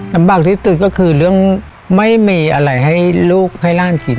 ลำบากที่สุดก็คือเรื่องไม่มีอะไรให้ลูกให้ร่างกิน